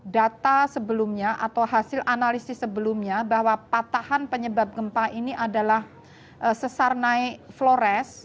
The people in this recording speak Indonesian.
data sebelumnya atau hasil analisis sebelumnya bahwa patahan penyebab gempa ini adalah sesar naik flores